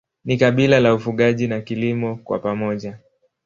Ni kabila la ufugaji na kilimo kwa pamoja.